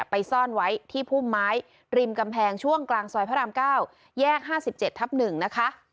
ไปซ่อนไว้ที่พุ่มไม้ริมกำแพงช่วงกลางซอยพระราม๙แยก๕๗ทับ๑นะคะ